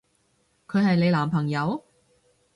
佢係你男朋友？